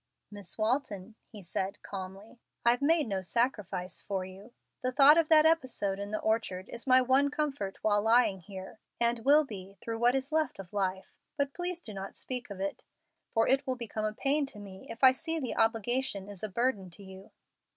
"Miss Walton," he said, calmly, "I've made no sacrifice for you. The thought of that episode in the orchard is my one comfort while lying here, and will be through what is left of life. But please do not speak of it, for it will become a pain to me if I see the obligation is a burden to you."